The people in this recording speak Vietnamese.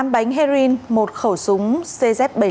tám bánh heroin một khẩu súng cz bảy mươi năm